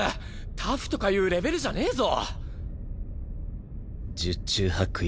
タフとかいうレベルじゃねぇぞ。